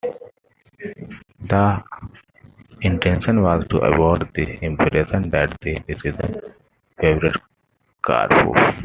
The intention was to avoid the impression that the decision favoured Karpov.